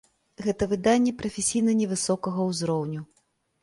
Гэта выданні прафесійна невысокага ўзроўню.